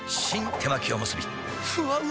手巻おむすびふわうま